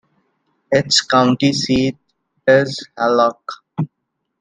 Its county seat is Hallock.